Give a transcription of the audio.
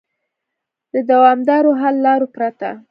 د دوامدارو حل لارو پرته